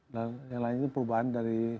dan yang lainnya perubahan dari